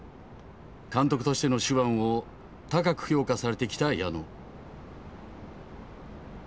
監督としての手腕を高く評価されてきた矢野。